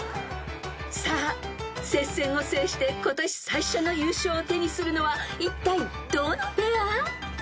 ［さあ接戦を制して今年最初の優勝を手にするのはいったいどのペア？］